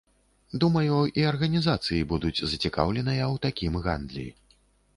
Думаю, і арганізацыі будуць зацікаўленыя ў такім гандлі.